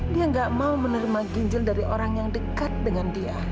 dia gak mau menerima ginjal dari orang yang dekat dengan dia